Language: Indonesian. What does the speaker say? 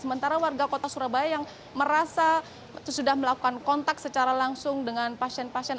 sementara warga kota surabaya yang merasa sudah melakukan kontak secara langsung dengan pasien pasien